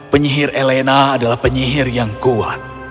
penyihir elena adalah penyihir yang kuat